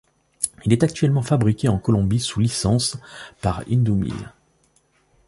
Il est actuellement fabriqué en Colombie sous licence, par Indumil.